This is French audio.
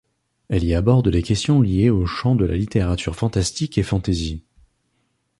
Elle y aborde les questions liées au champ de la littérature fantastique et fantasy.